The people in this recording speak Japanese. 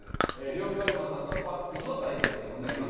呂布カルマさんとパックンの対決でございます。